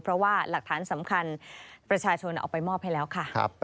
เพราะว่าหลักฐานสำคัญประชาชนเอาไปมอบให้แล้วค่ะ